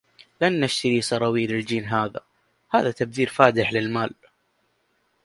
لن نشتري سراويل الجين هذه. هذا تبذير فادح للمال.